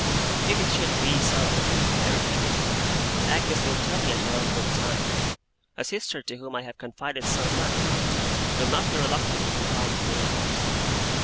'If it should be so,' I repeated, 'Agnes will tell me at her own good time. A sister to whom I have confided so much, aunt, will not be reluctant to confide in me.